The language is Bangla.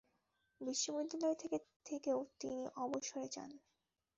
বিশ্ববিদ্যালয় থেকেও তিনি অবসরে যান।